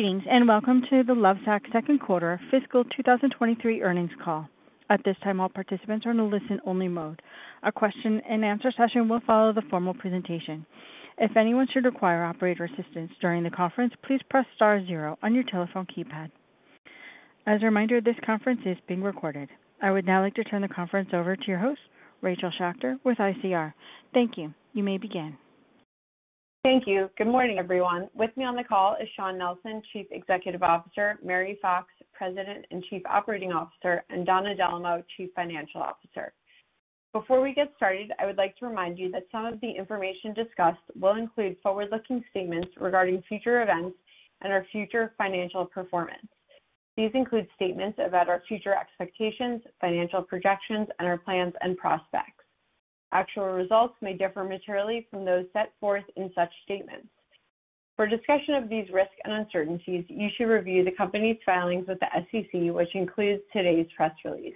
Greetings, and welcome to the Lovesac second quarter fiscal 2023 earnings call. At this time, all participants are in listen-only mode. A question and answer session will follow the formal presentation. If anyone should require operator assistance during the conference, please press star zero on your telephone keypad. As a reminder, this conference is being recorded. I would now like to turn the conference over to your host, Rachel Schacter with ICR. Thank you. You may begin. Thank you. Good morning, everyone. With me on the call is Shawn Nelson, Chief Executive Officer, Mary Fox, President and Chief Operating Officer, and Donna Dellomo, Chief Financial Officer. Before we get started, I would like to remind you that some of the information discussed will include forward-looking statements regarding future events and our future financial performance. These include statements about our future expectations, financial projections, and our plans and prospects. Actual results may differ materially from those set forth in such statements. For discussion of these risks and uncertainties, you should review the company's filings with the SEC, which includes today's press release.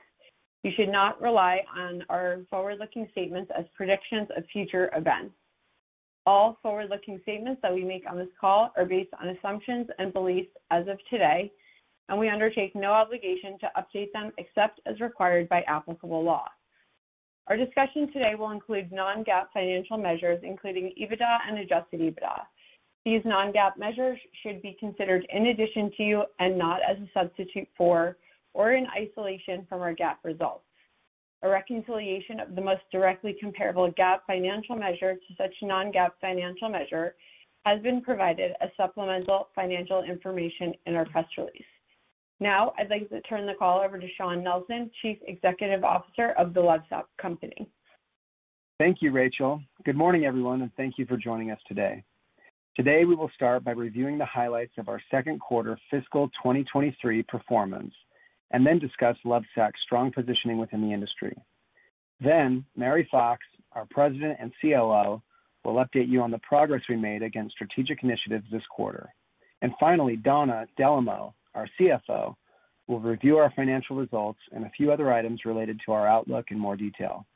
You should not rely on our forward-looking statements as predictions of future events. All forward-looking statements that we make on this call are based on assumptions and beliefs as of today, and we undertake no obligation to update them except as required by applicable law. Our discussion today will include non-GAAP financial measures, including EBITDA and adjusted EBITDA. These non-GAAP measures should be considered in addition to, and not as a substitute for or in isolation from, our GAAP results. A reconciliation of the most directly comparable GAAP financial measure to such non-GAAP financial measure has been provided as supplemental financial information in our press release. Now, I'd like to turn the call over to Shawn Nelson, Chief Executive Officer of The Lovesac Company. Thank you, Rachel. Good morning, everyone, and thank you for joining us today. Today, we will start by reviewing the highlights of our second quarter fiscal 2023 performance and then discuss Lovesac's strong positioning within the industry. Mary Fox, our President and COO, will update you on the progress we made against strategic initiatives this quarter. Finally, Donna Dellomo, our CFO, will review our financial results and a few other items related to our outlook in more detail.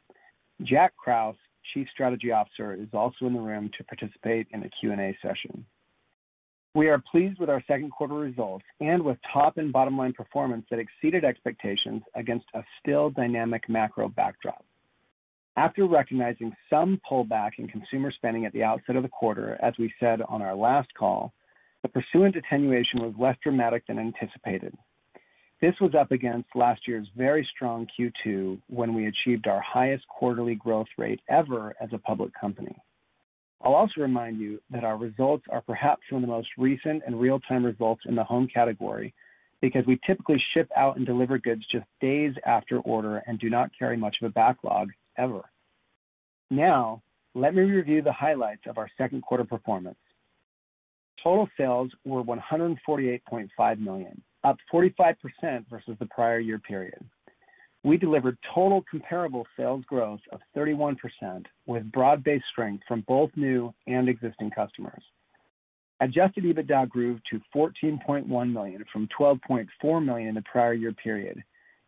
Jack Krause, Chief Strategy Officer, is also in the room to participate in the Q&A session. We are pleased with our second quarter results and with top and bottom-line performance that exceeded expectations against a still dynamic macro backdrop. After recognizing some pullback in consumer spending at the outset of the quarter, as we said on our last call, the pursuant attenuation was less dramatic than anticipated. This was up against last year's very strong Q2 when we achieved our highest quarterly growth rate ever as a public company. I'll also remind you that our results are perhaps some of the most recent and real-time results in the home category because we typically ship out and deliver goods just days after order and do not carry much of a backlog ever. Now let me review the highlights of our second quarter performance. Total sales were $148.5 million, up 45% versus the prior year period. We delivered total comparable sales growth of 31%, with broad-based strength from both new and existing customers. Adjusted EBITDA grew to $14.1 million from $12.4 million in the prior year period,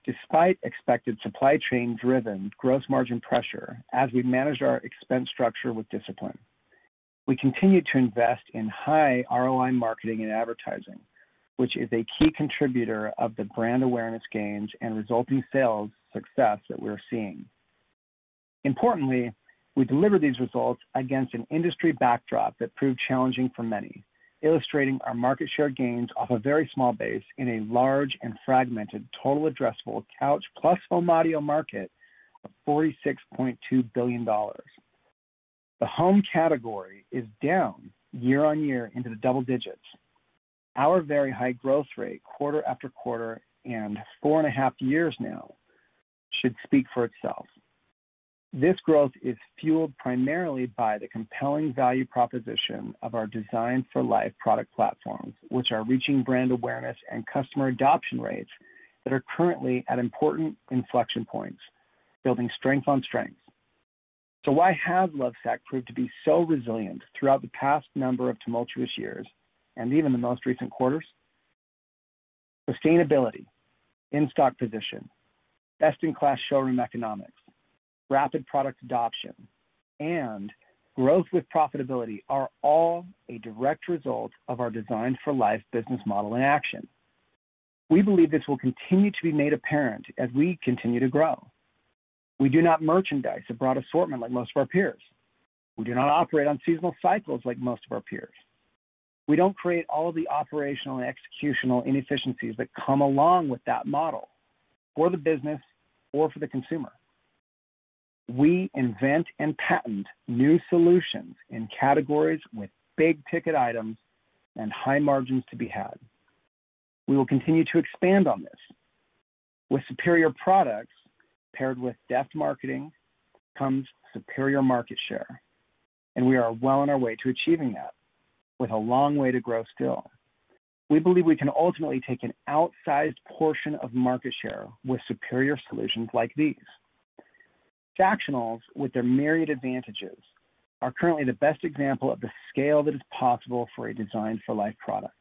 despite expected supply chain-driven gross margin pressure as we managed our expense structure with discipline. We continued to invest in high ROI marketing and advertising, which is a key contributor of the brand awareness gains and resulting sales success that we're seeing. Importantly, we deliver these results against an industry backdrop that proved challenging for many, illustrating our market share gains off a very small base in a large and fragmented total addressable couch plus home audio market of $46.2 billion. The home category is down year on year into the double digits. Our very high growth rate quarter after quarter in four and a half years now should speak for itself. This growth is fueled primarily by the compelling value proposition of our Designed For Life product platforms, which are reaching brand awareness and customer adoption rates that are currently at important inflection points, building strength on strength. Why has Lovesac proved to be so resilient throughout the past number of tumultuous years and even the most recent quarters? Sustainability, in-stock position, best-in-class showroom economics, rapid product adoption, and growth with profitability are all a direct result of our Designed For Life business model in action. We believe this will continue to be made apparent as we continue to grow. We do not merchandise a broad assortment like most of our peers. We do not operate on seasonal cycles like most of our peers. We don't create all of the operational and executional inefficiencies that come along with that model for the business or for the consumer. We invent and patent new solutions in categories with big-ticket items and high margins to be had. We will continue to expand on this. With superior products paired with deft marketing comes superior market share, and we are well on our way to achieving that with a long way to grow still. We believe we can ultimately take an outsized portion of market share with superior solutions like these. Sactionals, with their myriad advantages, are currently the best example of the scale that is possible for a Designed For Life product.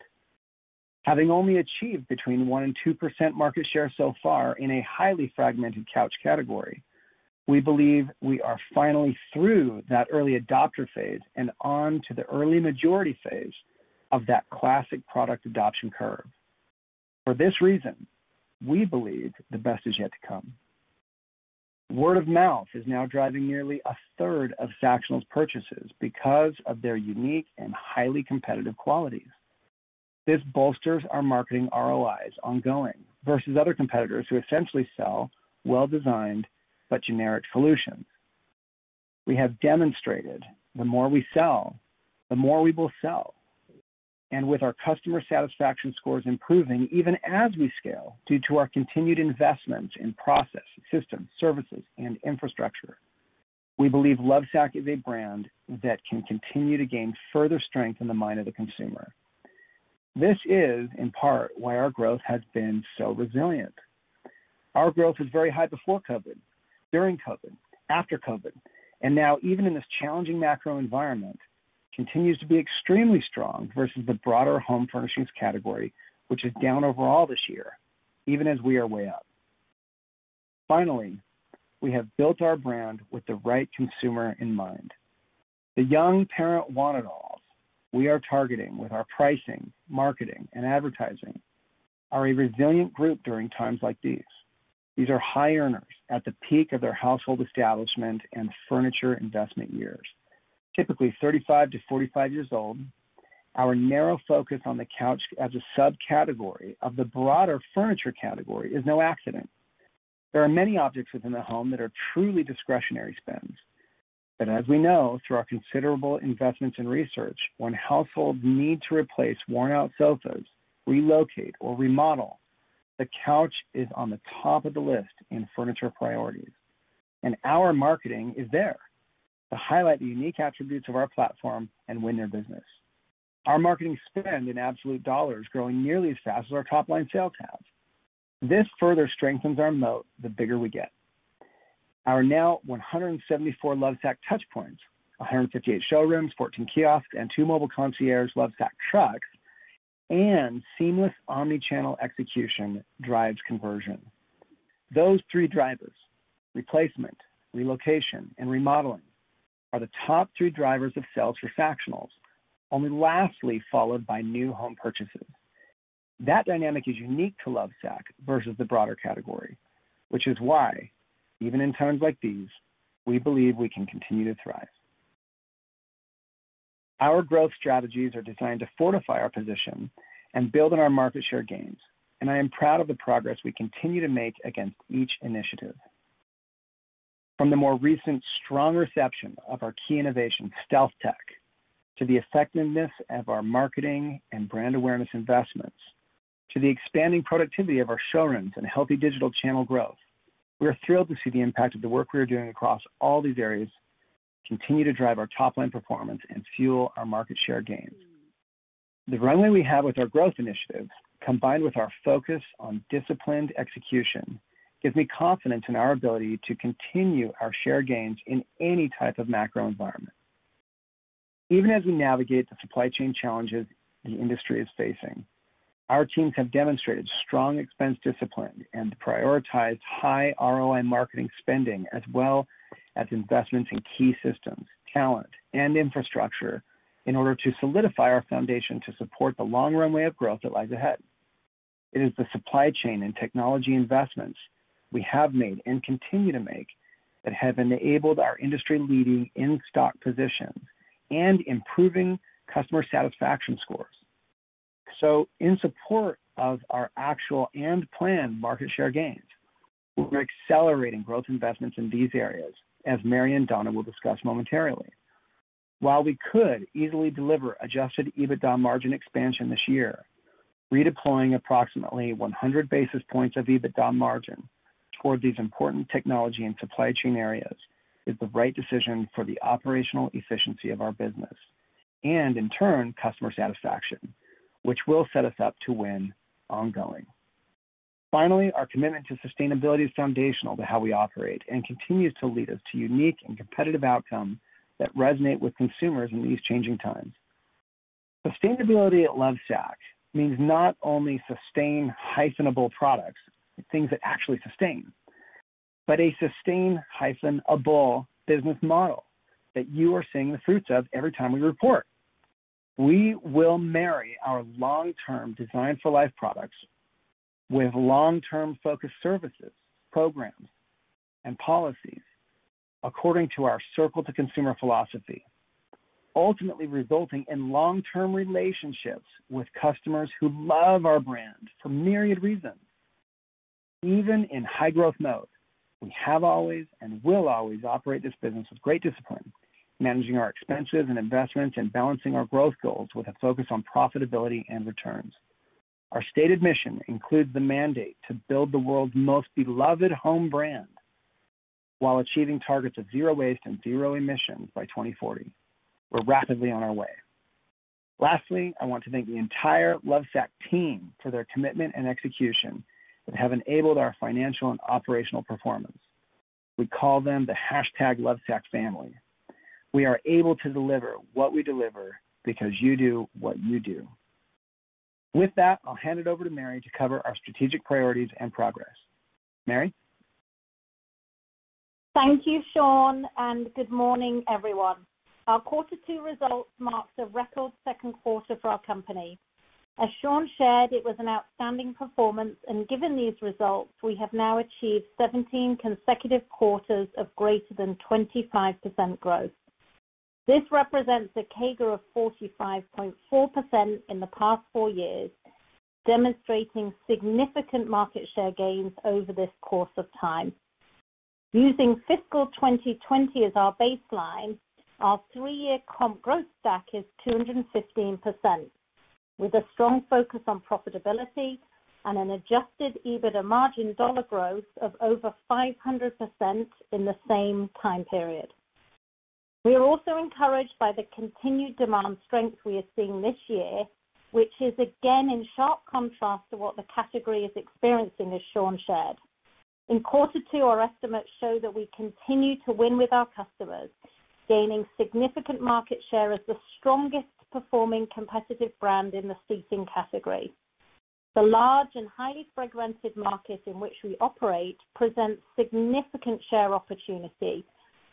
Having only achieved between 1% and 2% market share so far in a highly fragmented couch category. We believe we are finally through that early adopter phase and on to the early majority phase of that classic product adoption curve. For this reason, we believe the best is yet to come. Word of mouth is now driving nearly 1/3 of Sactionals purchases because of their unique and highly competitive qualities. This bolsters our marketing ROIs ongoing versus other competitors who essentially sell well-designed but generic solutions. We have demonstrated the more we sell, the more we will sell. With our customer satisfaction scores improving even as we scale due to our continued investments in process, systems, services, and infrastructure, we believe Lovesac is a brand that can continue to gain further strength in the mind of the consumer. This is, in part, why our growth has been so resilient. Our growth was very high before COVID, during COVID, after COVID, and now even in this challenging macro environment, continues to be extremely strong versus the broader home furnishings category, which is down overall this year, even as we are way up. Finally, we have built our brand with the right consumer in mind. The young parent want-it-alls we are targeting with our pricing, marketing, and advertising are a resilient group during times like these. These are high earners at the peak of their household establishment and furniture investment years, typically 35 years-45 years old. Our narrow focus on the couch as a subcategory of the broader furniture category is no accident. There are many objects within the home that are truly discretionary spends. As we know through our considerable investments in research, when households need to replace worn-out sofas, relocate, or remodel, the couch is on the top of the list in furniture priorities, and our marketing is there to highlight the unique attributes of our platform and win their business. Our marketing spend in absolute dollars growing nearly as fast as our top-line sales have. This further strengthens our moat the bigger we get. Our now 174 Lovesac touch points, 158 showrooms, 14 kiosks, and two mobile concierge Lovesac trucks and seamless omni-channel execution drives conversion. Those three drivers, replacement, relocation, and remodeling, are the top three drivers of sales for Sactionals, only lastly followed by new home purchases. That dynamic is unique to Lovesac versus the broader category, which is why, even in times like these, we believe we can continue to thrive. Our growth strategies are designed to fortify our position and build on our market share gains, and I am proud of the progress we continue to make against each initiative. From the more recent strong reception of our key innovation, StealthTech, to the effectiveness of our marketing and brand awareness investments, to the expanding productivity of our showrooms and healthy digital channel growth, we are thrilled to see the impact of the work we are doing across all these areas continue to drive our top-line performance and fuel our market share gains. The runway we have with our growth initiatives, combined with our focus on disciplined execution, gives me confidence in our ability to continue our share gains in any type of macro environment. Even as we navigate the supply chain challenges the industry is facing, our teams have demonstrated strong expense discipline and prioritize high ROI marketing spending as well as investments in key systems, talent, and infrastructure in order to solidify our foundation to support the long runway of growth that lies ahead. It is the supply chain and technology investments we have made and continue to make that have enabled our industry-leading in-stock positions and improving customer satisfaction scores. In support of our actual and planned market share gains, we're accelerating growth investments in these areas, as Mary and Donna will discuss momentarily. While we could easily deliver adjusted EBITDA margin expansion this year, redeploying approximately 100 basis points of EBITDA margin towards these important technology and supply chain areas is the right decision for the operational efficiency of our business and, in turn, customer satisfaction, which will set us up to win ongoing. Finally, our commitment to sustainability is foundational to how we operate and continues to lead us to unique and competitive outcomes that resonate with consumers in these changing times. Sustainability at Lovesac means not only sustainable products, things that actually sustain, but a sustainable business model that you are seeing the fruits of every time we report. We will marry our long-term Designed For Life products with long-term focused services, programs, and policies according to our Circle to Consumer philosophy, ultimately resulting in long-term relationships with customers who love our brand for myriad reasons. Even in high growth mode, we have always and will always operate this business with great discipline, managing our expenses and investments and balancing our growth goals with a focus on profitability and returns. Our stated mission includes the mandate to build the world's most beloved home brand while achieving targets of zero waste and zero emissions by 2040. We're rapidly on our way. Lastly, I want to thank the entire Lovesac team for their commitment and execution that have enabled our financial and operational performance. We call them the hashtag Lovesac family. We are able to deliver what we deliver because you do what you do. With that, I'll hand it over to Mary to cover our strategic priorities and progress. Mary? Thank you, Shawn, and good morning, everyone. Our quarter two results marks a record second quarter for our company. As Shawn shared, it was an outstanding performance, and given these results, we have now achieved 17 consecutive quarters of greater than 25% growth. This represents a CAGR of 45.4% in the past four years, demonstrating significant market share gains over this course of time. Using fiscal 2020 as our baseline, our three-year comp growth stack is 215% with a strong focus on profitability and an adjusted EBITDA margin dollar growth of over 500% in the same time period. We are also encouraged by the continued demand strength we are seeing this year, which is again in sharp contrast to what the category is experiencing, as Shawn shared. In quarter two, our estimates show that we continue to win with our customers, gaining significant market share as the strongest performing competitive brand in the seating category. The large and highly fragmented market in which we operate presents significant share opportunity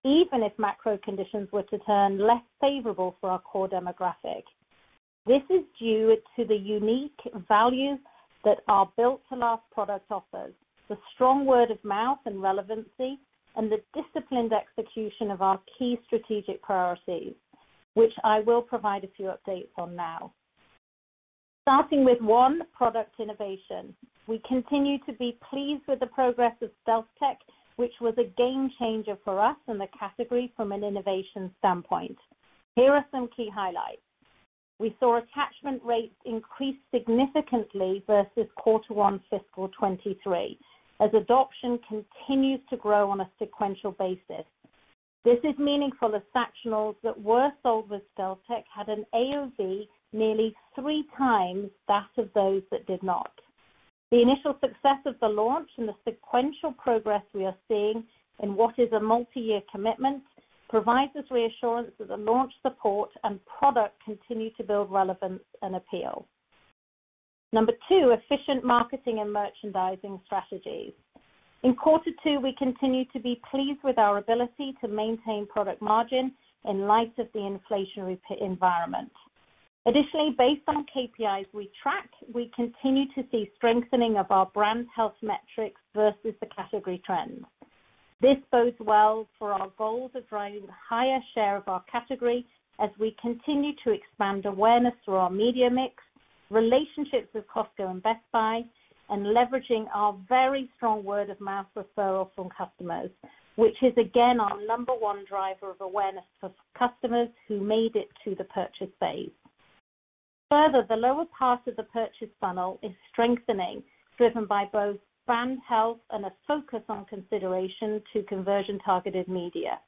even if macro conditions were to turn less favorable for our core demographic. This is due to the unique value that our Built To Last product offers, the strong word-of-mouth and relevancy, and the disciplined execution of our key strategic priorities, which I will provide a few updates on now. Starting with one, product innovation. We continue to be pleased with the progress of StealthTech, which was a game changer for us and the category from an innovation standpoint. Here are some key highlights. We saw attachment rates increase significantly versus quarter one fiscal 2023 as adoption continues to grow on a sequential basis. This is meaningful as sectionals that were sold with StealthTech had an AOV nearly three times that of those that did not. The initial success of the launch and the sequential progress we are seeing in what is a multi-year commitment provides us reassurance that the launch support and product continue to build relevance and appeal. Number two, efficient marketing and merchandising strategies. In quarter two, we continue to be pleased with our ability to maintain product margin in light of the inflationary environment. Additionally, based on KPIs we track, we continue to see strengthening of our brand health metrics versus the category trends. This bodes well for our goals of driving higher share of our category as we continue to expand awareness through our media mix, relationships with Costco and Best Buy, and leveraging our very strong word-of-mouth referral from customers, which is again our number one driver of awareness for customers who made it to the purchase phase. Further, the lower part of the purchase funnel is strengthening, driven by both brand health and a focus on consideration to conversion-targeted media.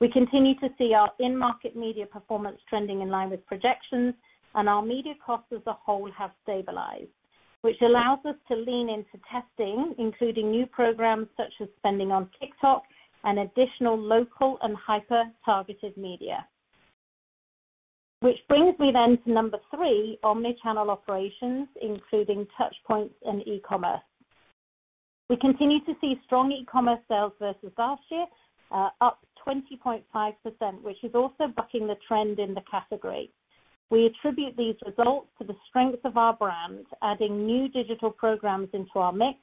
We continue to see our in-market media performance trending in line with projections and our media costs as a whole have stabilized, which allows us to lean into testing, including new programs such as spending on TikTok and additional local and hyper-targeted media. Which brings me then to number three, omni-channel operations, including touch points and e-commerce. We continue to see strong e-commerce sales versus last year, up 20.5%, which is also bucking the trend in the category. We attribute these results to the strength of our brand, adding new digital programs into our mix,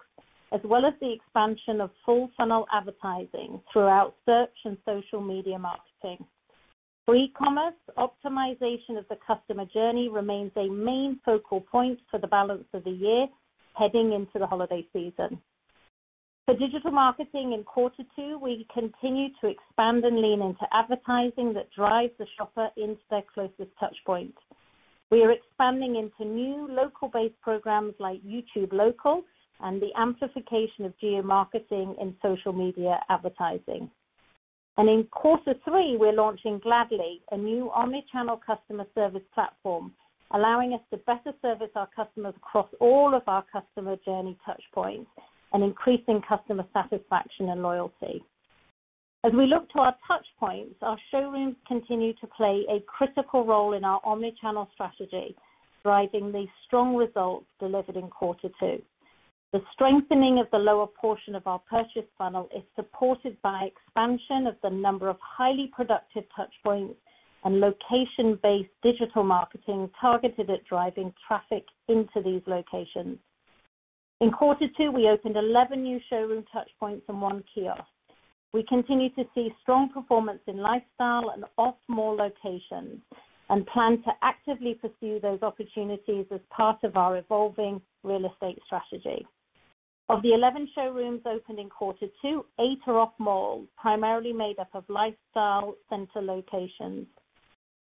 as well as the expansion of full funnel advertising throughout search and social media marketing. For e-commerce, optimization of the customer journey remains a main focal point for the balance of the year heading into the holiday season. For digital marketing in quarter two, we continue to expand and lean into advertising that drives the shopper into their closest touch point. We are expanding into new local-based programs like YouTube Local and the amplification of geomarketing in social media advertising. In quarter three, we're launching Gladly, a new omni-channel customer service platform, allowing us to better service our customers across all of our customer journey touch points and increasing customer satisfaction and loyalty. As we look to our touch points, our showrooms continue to play a critical role in our omni-channel strategy, driving the strong results delivered in quarter two. The strengthening of the lower portion of our purchase funnel is supported by expansion of the number of highly productive touch points and location-based digital marketing targeted at driving traffic into these locations. In quarter two, we opened 11 new showroom touch points and one kiosk. We continue to see strong performance in lifestyle and off mall locations and plan to actively pursue those opportunities as part of our evolving real estate strategy. Of the 11 showrooms opened in quarter two, eight are off malls, primarily made up of lifestyle center locations.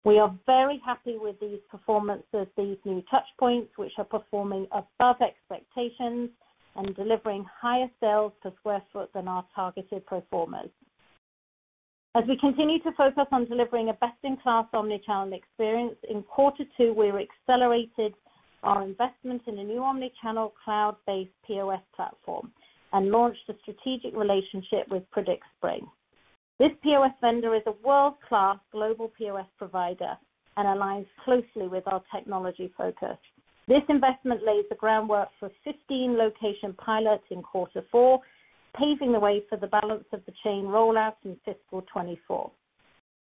We are very happy with these performances, these new touch points, which are performing above expectations and delivering higher sales per sq ft than our targeted performers. As we continue to focus on delivering a best-in-class omni-channel experience, in quarter two, we accelerated our investment in a new omni-channel cloud-based POS platform and launched a strategic relationship with PredictSpring. This POS vendor is a world class global POS provider and aligns closely with our technology focus. This investment lays the groundwork for 15 location pilots in quarter four, paving the way for the balance of the chain rollout in fiscal 2024.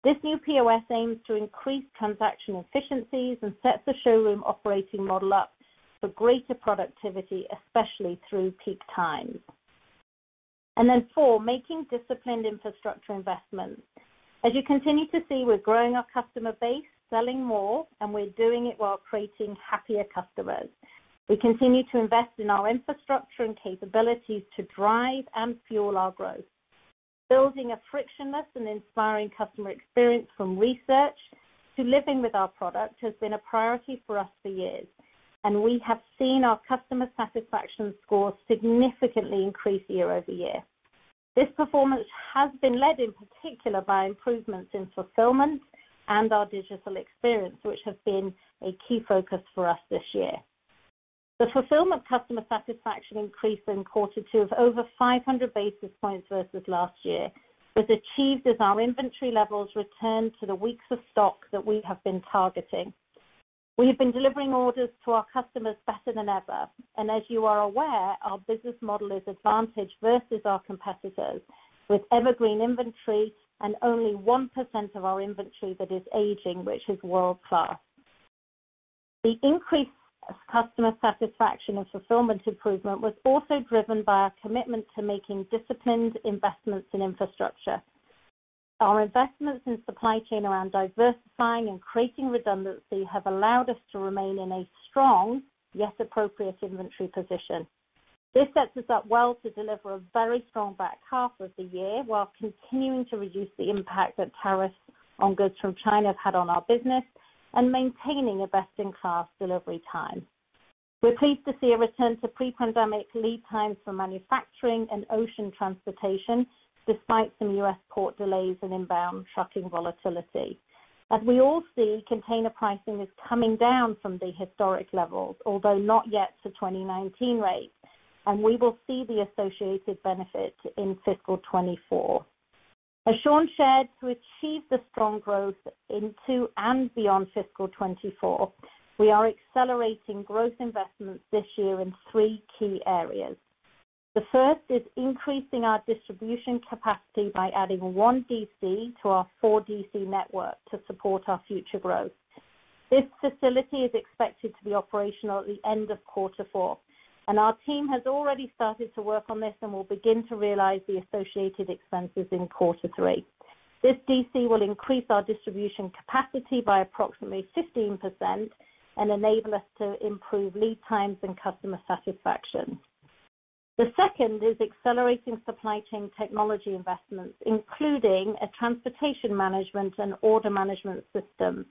This new POS aims to increase transaction efficiencies and sets the showroom operating model up for greater productivity, especially through peak times. four, making disciplined infrastructure investments. As you continue to see, we're growing our customer base, selling more, and we're doing it while creating happier customers. We continue to invest in our infrastructure and capabilities to drive and fuel our growth. Building a frictionless and inspiring customer experience from research to living with our product has been a priority for us for years, and we have seen our customer satisfaction scores significantly increase year-over-year. This performance has been led in particular by improvements in fulfillment and our digital experience, which have been a key focus for us this year. The fulfillment customer satisfaction increase in quarter two of over 500 basis points versus last year was achieved as our inventory levels returned to the weeks of stock that we have been targeting. We have been delivering orders to our customers better than ever. As you are aware, our business model is advantaged versus our competitors with evergreen inventory and only 1% of our inventory that is aging, which is world class. The increased customer satisfaction and fulfillment improvement was also driven by our commitment to making disciplined investments in infrastructure. Our investments in supply chain around diversifying and creating redundancy have allowed us to remain in a strong yet appropriate inventory position. This sets us up well to deliver a very strong back half of the year, while continuing to reduce the impact that tariffs on goods from China have had on our business and maintaining a best in class delivery time. We're pleased to see a return to pre-pandemic lead times for manufacturing and ocean transportation, despite some U.S. port delays and inbound trucking volatility. As we all see, container pricing is coming down from the historic levels, although not yet to 2019 rates, and we will see the associated benefit in fiscal 2024. As Shawn shared, to achieve the strong growth into and beyond fiscal 2024, we are accelerating growth investments this year in three key areas. The first is increasing our distribution capacity by adding one DC to our four DC network to support our future growth. This facility is expected to be operational at the end of quarter four, and our team has already started to work on this and will begin to realize the associated expenses in quarter three. This DC will increase our distribution capacity by approximately 15% and enable us to improve lead times and customer satisfaction. The second is accelerating supply chain technology investments, including a transportation management and order management system,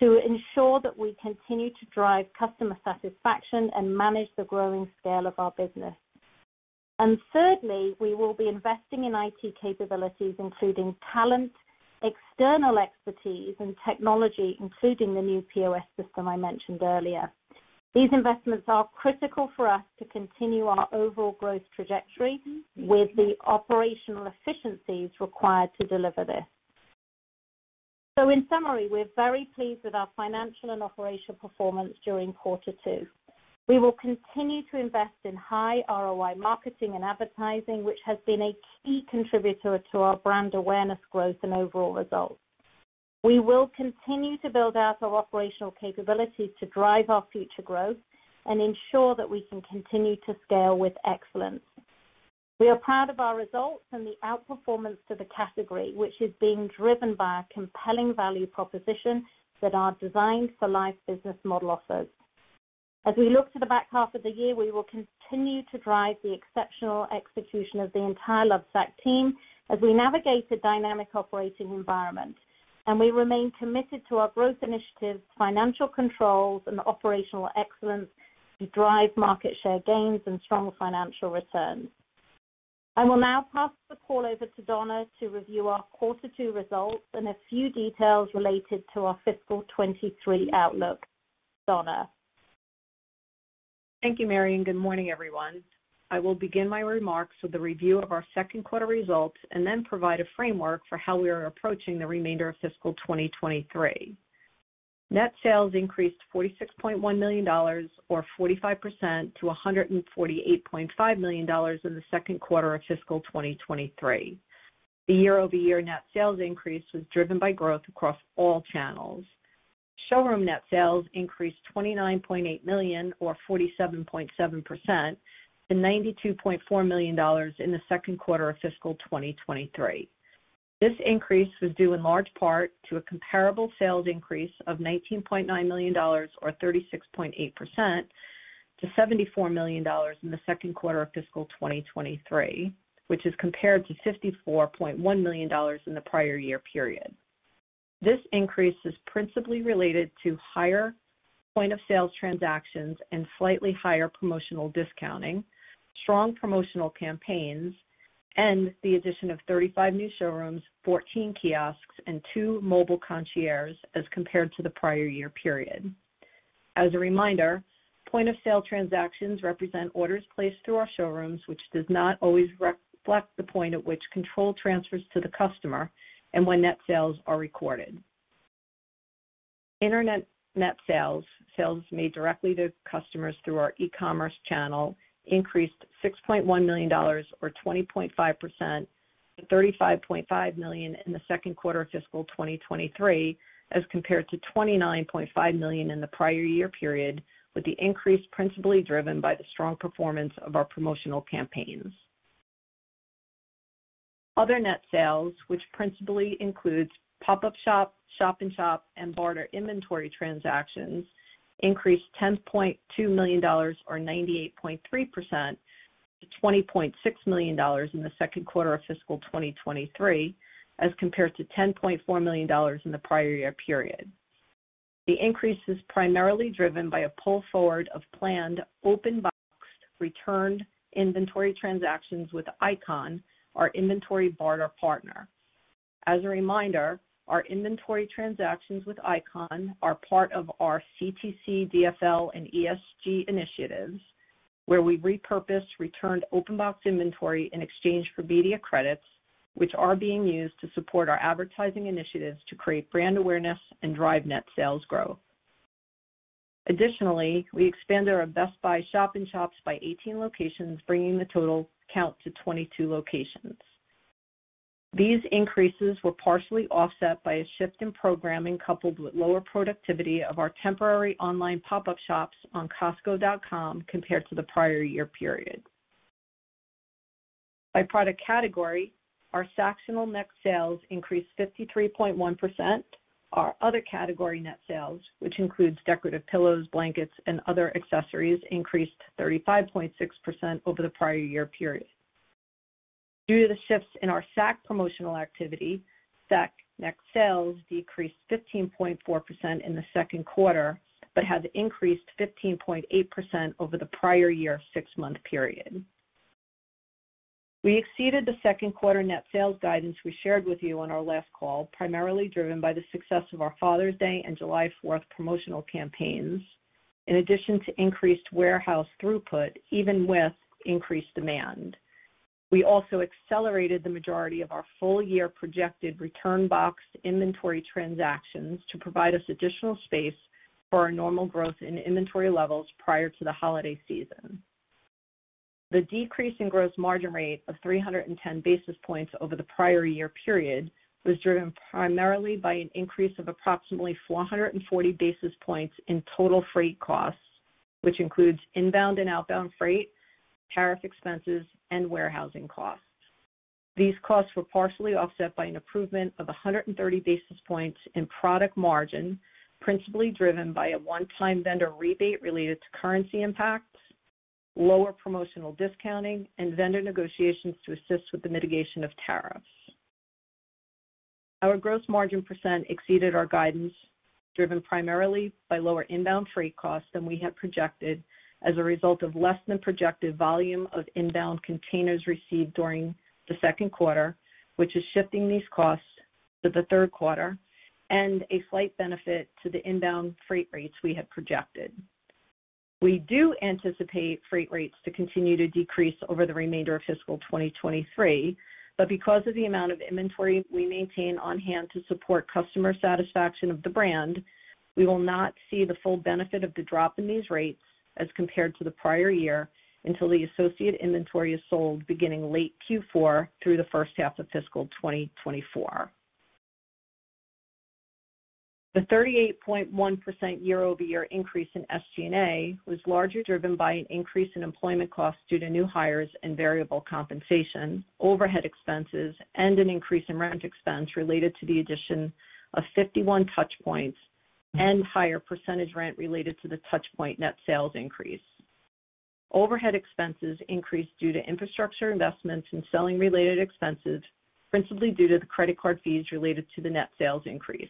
to ensure that we continue to drive customer satisfaction and manage the growing scale of our business. Thirdly, we will be investing in IT capabilities including talent, external expertise and technology, including the new POS system I mentioned earlier. These investments are critical for us to continue our overall growth trajectory with the operational efficiencies required to deliver this. In summary, we're very pleased with our financial and operational performance during quarter two. We will continue to invest in high ROI marketing and advertising, which has been a key contributor to our brand awareness growth and overall results. We will continue to build out our operational capabilities to drive our future growth and ensure that we can continue to scale with excellence. We are proud of our results and the outperformance to the category, which is being driven by our compelling value proposition that our Designed For Life business model offers. As we look to the back half of the year, we will continue to drive the exceptional execution of the entire Lovesac team as we navigate a dynamic operating environment. We remain committed to our growth initiatives, financial controls and operational excellence to drive market share gains and strong financial returns. I will now pass the call over to Donna to review our quarter two results and a few details related to our fiscal 2023 outlook. Donna. Thank you, Mary, and good morning, everyone. I will begin my remarks with a review of our second quarter results and then provide a framework for how we are approaching the remainder of fiscal 2023. Net sales increased $46.1 million, or 45% to $148.5 million in the second quarter of fiscal 2023. The year-over-year net sales increase was driven by growth across all channels. Showroom net sales increased $29.8 million or 47.7% to $92.4 million in the second quarter of fiscal 2023. This increase was due in large part to a comparable sales increase of $19.9 million, or 36.8% to $74 million in the second quarter of fiscal 2023, which is compared to $54.1 million in the prior year period. This increase is principally related to higher point-of-sale transactions and slightly higher promotional discounting, strong promotional campaigns, and the addition of 35 new showrooms, 14 kiosks and two mobile concierges as compared to the prior year period. As a reminder, point-of-sale transactions represent orders placed through our showrooms, which does not always reflect the point at which control transfers to the customer and when net sales are recorded. Internet net sales made directly to customers through our e-commerce channel, increased $6.1 million or 20.5% to $35.5 million in the second quarter of fiscal 2023 as compared to $29.5 million in the prior year period with the increase principally driven by the strong performance of our promotional campaigns. Other net sales, which principally includes pop-up shop in shop and barter inventory transactions, increased $10.2 million or 98.3% to $20.6 million in the second quarter of fiscal 2023 as compared to $10.4 million in the prior year period. The increase is primarily driven by a pull forward of planned open boxed returned inventory transactions with Icon, our inventory barter partner. As a reminder, our inventory transactions with Icon are part of our CTC, DFL and ESG initiatives where we repurpose returned open box inventory in exchange for media credits, which are being used to support our advertising initiatives to create brand awareness and drive net sales growth. Additionally, we expanded our Best Buy shop in shops by 18 locations, bringing the total count to 22 locations. These increases were partially offset by a shift in programming coupled with lower productivity of our temporary online pop-up shops on costco.com compared to the prior year period. By product category, our Sactionals net sales increased 53.1%. Our other category net sales, which includes decorative pillows, blankets and other accessories, increased 35.6% over the prior year period. Due to the shifts in our Sacs promotional activity, Sacs net sales decreased 15.4% in the second quarter, but has increased 15.8% over the prior year six-month period. We exceeded the second quarter net sales guidance we shared with you on our last call, primarily driven by the success of our Father's Day and July 4th promotional campaigns. In addition to increased warehouse throughput, even with increased demand, we also accelerated the majority of our full year projected return box inventory transactions to provide us additional space for our normal growth in inventory levels prior to the holiday season. The decrease in gross margin rate of 310 basis points over the prior year period was driven primarily by an increase of approximately 440 basis points in total freight costs, which includes inbound and outbound freight, tariff expenses and warehousing costs. These costs were partially offset by an improvement of 130 basis points in product margin, principally driven by a one-time vendor rebate related to currency impacts, lower promotional discounting, and vendor negotiations to assist with the mitigation of tariffs. Our gross margin % exceeded our guidance, driven primarily by lower inbound freight costs than we had projected as a result of less than projected volume of inbound containers received during the second quarter, which is shifting these costs to the third quarter and a slight benefit to the inbound freight rates we had projected. We do anticipate freight rates to continue to decrease over the remainder of fiscal 2023, but because of the amount of inventory we maintain on hand to support customer satisfaction of the brand, we will not see the full benefit of the drop in these rates as compared to the prior year until the associated inventory is sold beginning late Q4 through the first half of fiscal 2024. The 38.1% year-over-year increase in SG&A was largely driven by an increase in employment costs due to new hires and variable compensation, overhead expenses, and an increase in rent expense related to the addition of 51 touch points and higher percentage rent related to the touch point net sales increase. Overhead expenses increased due to infrastructure investments and selling related expenses, principally due to the credit card fees related to the net sales increase.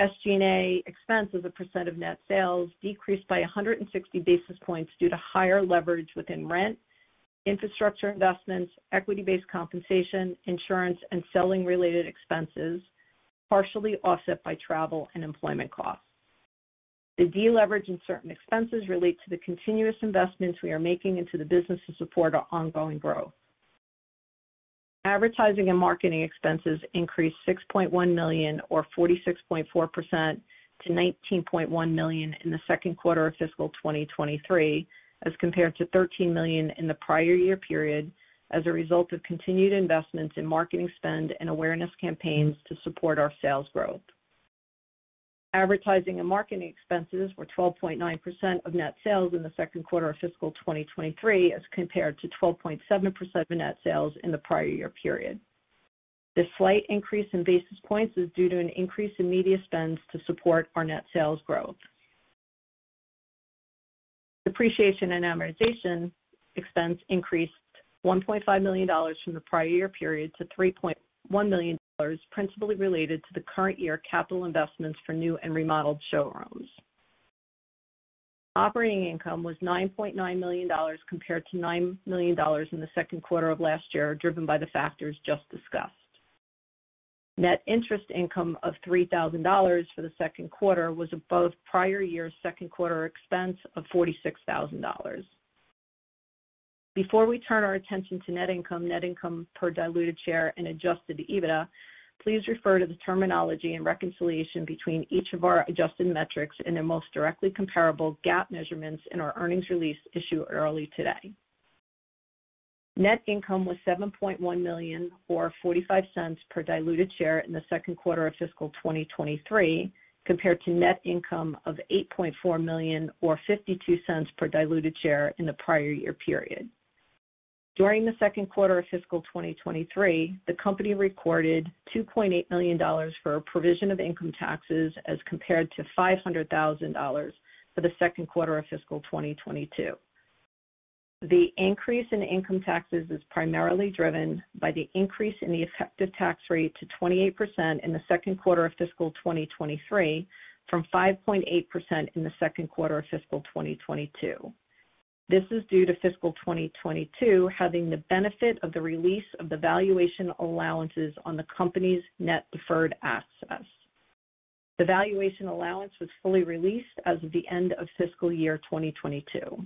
SG&A expense as a percent of net sales decreased by 160 basis points due to higher leverage within rent, infrastructure investments, equity-based compensation, insurance, and selling related expenses, partially offset by travel and employment costs. The deleverage in certain expenses relate to the continuous investments we are making into the business to support our ongoing growth. Advertising and marketing expenses increased $6.1 million or 46.4% to $19.1 million in the second quarter of fiscal 2023 as compared to $13 million in the prior year period as a result of continued investments in marketing spend and awareness campaigns to support our sales growth. Advertising and marketing expenses were 12.9% of net sales in the second quarter of fiscal 2023 as compared to 12.7% of net sales in the prior year period. This slight increase in basis points is due to an increase in media spends to support our net sales growth. Depreciation and amortization expense increased $1.5 million from the prior year period to $3.1 million, principally related to the current year capital investments for new and remodeled showrooms. Operating income was $9.9 million compared to $9 million in the second quarter of last year, driven by the factors just discussed. Net interest income of $3,000 for the second quarter was above prior year's second quarter expense of $46,000. Before we turn our attention to net income, net income per diluted share, and adjusted EBITDA, please refer to the terminology and reconciliation between each of our adjusted metrics and their most directly comparable GAAP measurements in our earnings release issued early today. Net income was $7.1 million, or $0.45 per diluted share in the second quarter of fiscal 2023, compared to net income of $8.4 million, or $0.52 per diluted share in the prior year period. During the second quarter of fiscal 2023, the company recorded $2.8 million for a provision of income taxes as compared to $500,000 for the second quarter of fiscal 2022. The increase in income taxes is primarily driven by the increase in the effective tax rate to 28% in the second quarter of fiscal 2023 from 5.8% in the second quarter of fiscal 2022. This is due to fiscal 2022 having the benefit of the release of the valuation allowances on the company's net deferred assets. The valuation allowance was fully released as of the end of fiscal year 2022.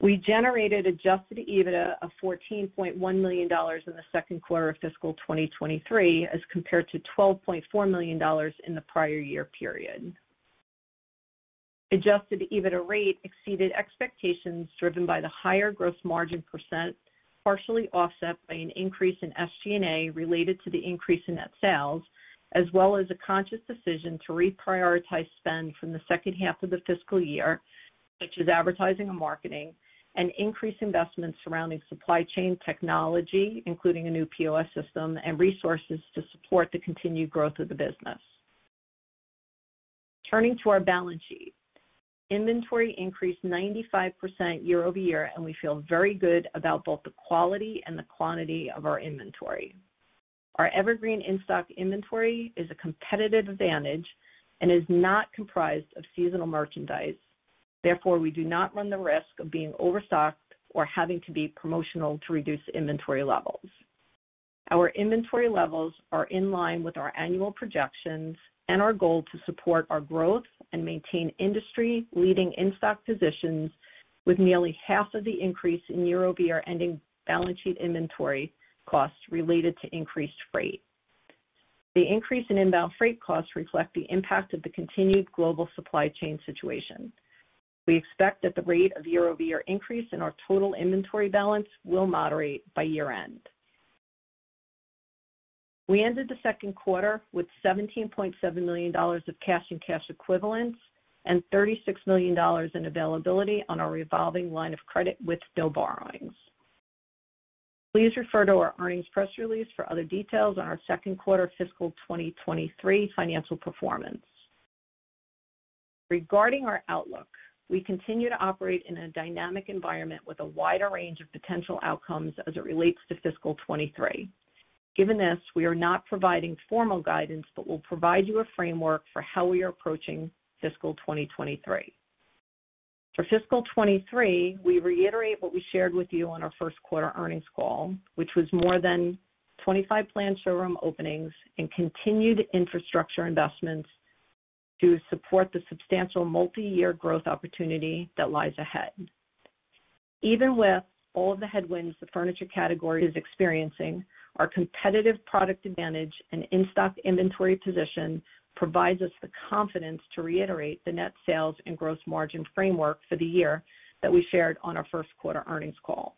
We generated adjusted EBITDA of $14.1 million in the second quarter of fiscal 2023 as compared to $12.4 million in the prior year period. Adjusted EBITDA rate exceeded expectations driven by the higher gross margin %, partially offset by an increase in SG&A related to the increase in net sales, as well as a conscious decision to reprioritize spend from the second half of the fiscal year, such as advertising and marketing, and increase investments surrounding supply chain technology, including a new POS system and resources to support the continued growth of the business. Turning to our balance sheet. Inventory increased 95% year-over-year, and we feel very good about both the quality and the quantity of our inventory. Our evergreen in-stock inventory is a competitive advantage and is not comprised of seasonal merchandise. Therefore, we do not run the risk of being overstocked or having to be promotional to reduce inventory levels. Our inventory levels are in line with our annual projections and our goal to support our growth and maintain industry-leading in-stock positions with nearly half of the increase in year-over-year ending balance sheet inventory costs related to increased freight. The increase in inbound freight costs reflect the impact of the continued global supply chain situation. We expect that the rate of year-over-year increase in our total inventory balance will moderate by year-end. We ended the second quarter with $17.7 million of cash and cash equivalents and $36 million in availability on our revolving line of credit with no borrowings. Please refer to our earnings press release for other details on our second quarter fiscal 2023 financial performance. Regarding our outlook, we continue to operate in a dynamic environment with a wider range of potential outcomes as it relates to fiscal 2023. Given this, we are not providing formal guidance, but we'll provide you a framework for how we are approaching fiscal 2023. For fiscal 2023, we reiterate what we shared with you on our first quarter earnings call, which was more than 25 planned showroom openings and continued infrastructure investments to support the substantial multiyear growth opportunity that lies ahead. Even with all of the headwinds the furniture category is experiencing, our competitive product advantage and in-stock inventory position provides us the confidence to reiterate the net sales and gross margin framework for the year that we shared on our first quarter earnings call.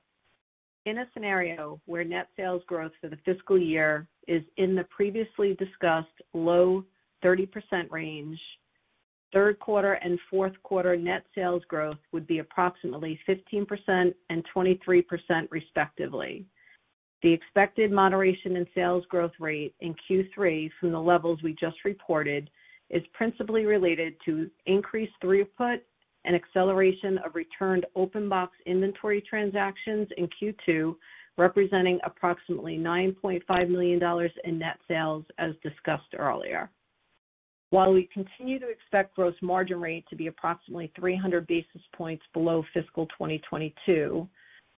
In a scenario where net sales growth for the fiscal year is in the previously discussed low 30% range, third quarter and fourth quarter net sales growth would be approximately 15% and 23% respectively. The expected moderation in sales growth rate in Q3 from the levels we just reported is principally related to increased throughput and acceleration of returned open box inventory transactions in Q2, representing approximately $9.5 million in net sales as discussed earlier. While we continue to expect gross margin rate to be approximately 300 basis points below fiscal 2022,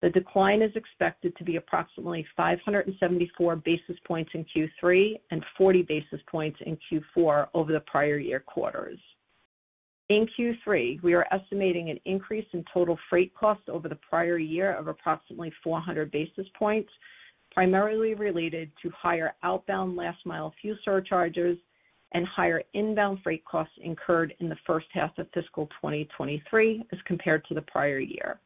the decline is expected to be approximately 574 basis points in Q3 and 40 basis points in Q4 over the prior year quarters. In Q3, we are estimating an increase in total freight costs over the prior year of approximately 400 basis points, primarily related to higher outbound last mile fuel surcharges and higher inbound freight costs incurred in the first half of fiscal 2023 as compared to the prior year.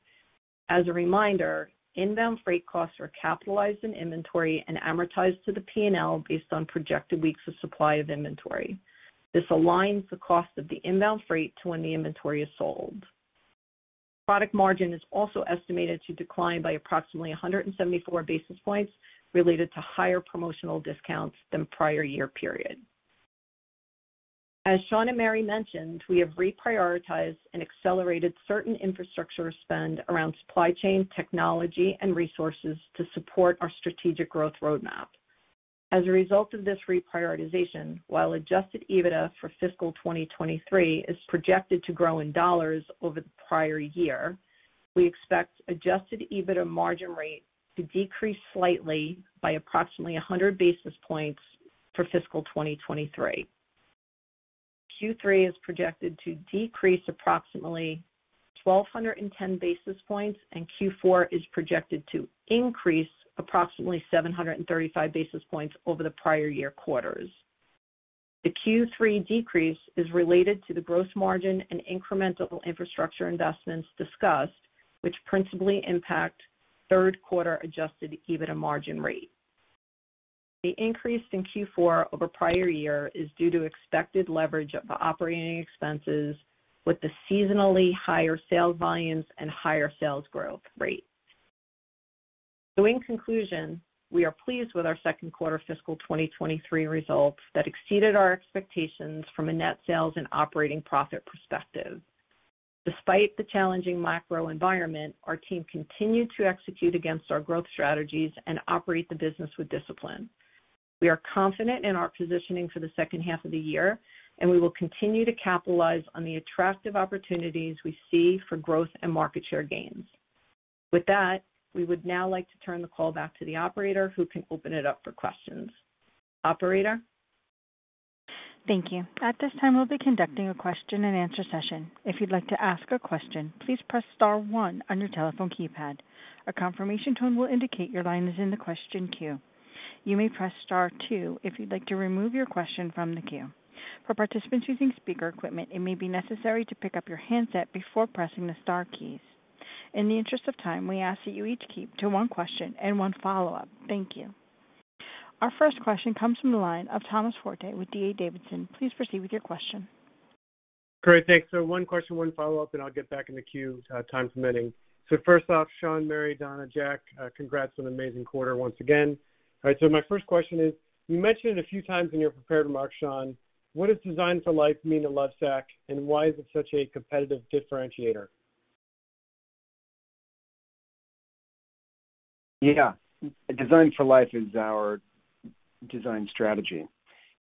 As a reminder, inbound freight costs are capitalized in inventory and amortized to the P&L based on projected weeks of supply of inventory. This aligns the cost of the inbound freight to when the inventory is sold. Product margin is also estimated to decline by approximately 174 basis points related to higher promotional discounts than prior year period. As Shawn and Mary mentioned, we have reprioritized and accelerated certain infrastructure spend around supply chain technology and resources to support our strategic growth roadmap. As a result of this reprioritization, while adjusted EBITDA for fiscal 2023 is projected to grow in dollars over the prior year, we expect adjusted EBITDA margin rate to decrease slightly by approximately 100 basis points for fiscal 2023. Q3 is projected to decrease approximately 1,210 basis points, and Q4 is projected to increase approximately 735 basis points over the prior year quarters. The Q3 decrease is related to the gross margin and incremental infrastructure investments discussed, which principally impact third quarter adjusted EBITDA margin rate. The increase in Q4 over prior year is due to expected leverage of operating expenses with the seasonally higher sales volumes and higher sales growth rate. In conclusion, we are pleased with our second quarter fiscal 2023 results that exceeded our expectations from a net sales and operating profit perspective. Despite the challenging macro environment, our team continued to execute against our growth strategies and operate the business with discipline. We are confident in our positioning for the second half of the year, and we will continue to capitalize on the attractive opportunities we see for growth and market share gains. With that, we would now like to turn the call back to the operator who can open it up for questions. Operator? Thank you. At this time, we'll be conducting a question-and-answer session. If you'd like to ask a question, please press star one on your telephone keypad. A confirmation tone will indicate your line is in the question queue. You may press star two if you'd like to remove your question from the queue. For participants using speaker equipment, it may be necessary to pick up your handset before pressing the star keys. In the interest of time, we ask that you each keep to one question and one follow-up. Thank you. Our first question comes from the line of Thomas Forte with D.A. Davidson. Please proceed with your question. Great. Thanks. One question, one follow-up, and I'll get back in the queue, time permitting. First off, Shawn, Mary, Donna Dellomo, Jack Krause, congrats on an amazing quarter once again. All right. My first question is, you mentioned a few times in your prepared remarks, Shawn, what does Designed For Life mean to Lovesac, and why is it such a competitive differentiator? Yeah. Designed For Life is our design strategy.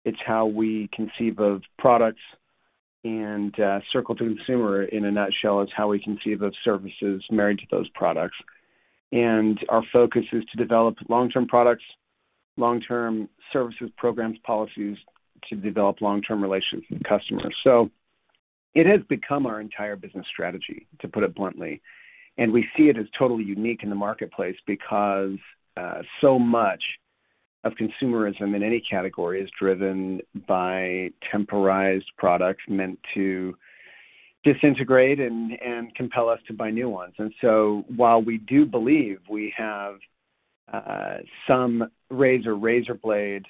It's how we conceive of products, and Circle to Consumer, in a nutshell, is how we conceive of services married to those products. Our focus is to develop long-term products, long-term services, programs, policies, to develop long-term relationships with customers. It has become our entire business strategy, to put it bluntly. We see it as totally unique in the marketplace because so much of consumerism in any category is driven by temporized products meant to disintegrate and compel us to buy new ones. While we do believe we have some razor blade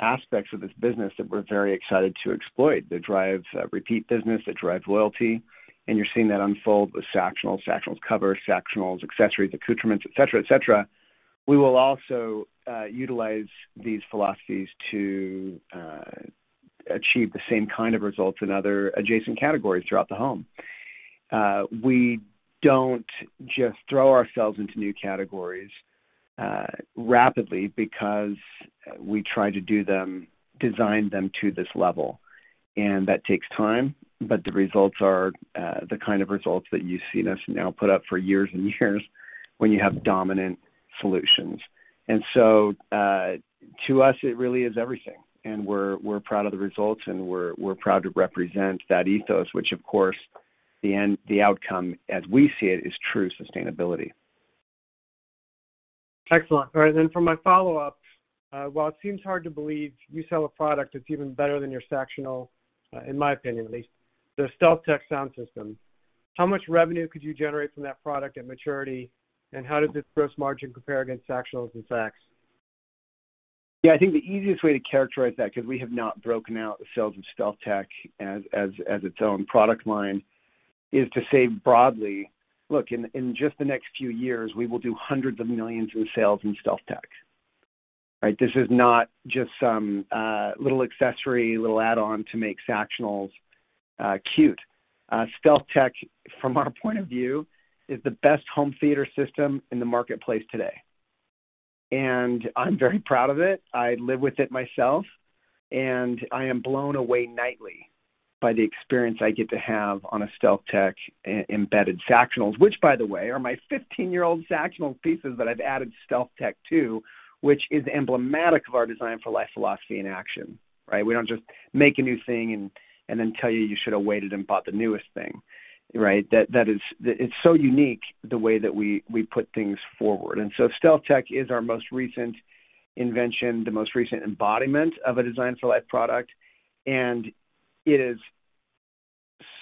aspects of this business that we're very excited to exploit, that drives repeat business, that drives loyalty, and you're seeing that unfold with Sactionals covers, Sactionals accessories, accoutrements, et cetera. We will also utilize these philosophies to achieve the same kind of results in other adjacent categories throughout the home. We don't just throw ourselves into new categories rapidly because we try to design them to this level, and that takes time. The results are the kind of results that you've seen us now put up for years and years when you have dominant solutions. To us, it really is everything. We're proud of the results, and we're proud to represent that ethos, which of course the outcome as we see it is true sustainability. Excellent. All right, for my follow-up, while it seems hard to believe you sell a product that's even better than your Sactionals, in my opinion at least, the StealthTech sound system, how much revenue could you generate from that product at maturity, and how does its gross margin compare against Sactionals and Sacs? Yeah, I think the easiest way to characterize that, because we have not broken out the sales of StealthTech as its own product line, is to say broadly, look, in just the next few years, we will do $hundreds of millions in sales in StealthTech. Right? This is not just some little accessory, little add-on to make Sactionals cute. StealthTech, from our point of view, is the best home theater system in the marketplace today. I'm very proud of it. I live with it myself, and I am blown away nightly by the experience I get to have on a StealthTech-embedded Sactionals. Which, by the way, are my 15-year-old Sactionals pieces that I've added StealthTech to, which is emblematic of our Designed For Life philosophy in action, right? We don't just make a new thing and then tell you you should have waited and bought the newest thing, right? That is. It's so unique the way that we put things forward. StealthTech is our most recent invention, the most recent embodiment of a Designed For Life product, and it is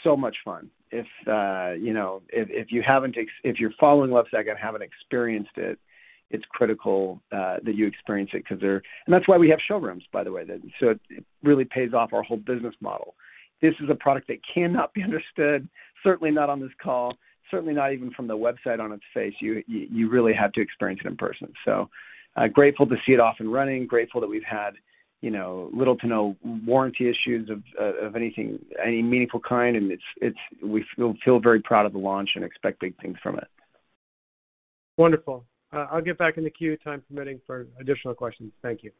so much fun. If you're following Lovesac and haven't experienced it's critical that you experience it because they're. That's why we have showrooms, by the way. It really pays off our whole business model. This is a product that cannot be understood, certainly not on this call, certainly not even from the website on its face. You really have to experience it in person. Grateful to see it off and running, grateful that we've had, you know, little to no warranty issues of anything, any meaningful kind. We feel very proud of the launch and expect big things from it. Wonderful. I'll get back in the queue, time permitting, for additional questions. Thank you.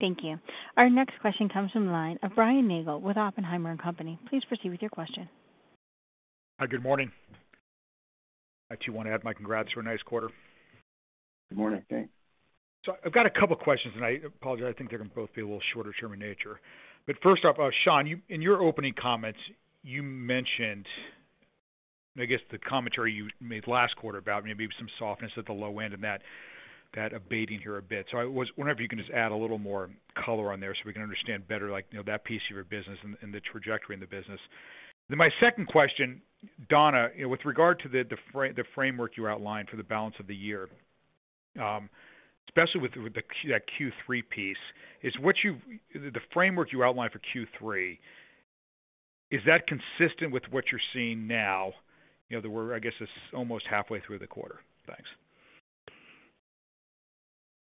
Thank you. Our next question comes from the line of Brian Nagel with Oppenheimer & Co. Please proceed with your question. Hi, good morning. I too want to add my congrats for a nice quarter. Good morning. Thanks. I've got a couple questions, and I apologize. I think they're gonna both be a little shorter term in nature. First off, Shawn, in your opening comments, you mentioned, I guess, the commentary you made last quarter about maybe some softness at the low end and that abating here a bit. I wonder if you can just add a little more color on there so we can understand better, like, you know, that piece of your business and the trajectory in the business. My second question, Donna, you know, with regard to the framework you outlined for the balance of the year, especially with the that Q3 piece, is the framework you outlined for Q3 consistent with what you're seeing now? You know that we're, I guess, it's almost halfway through the quarter. Thanks.